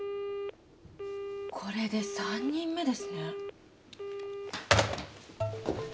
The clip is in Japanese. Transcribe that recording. これで三人目ですね。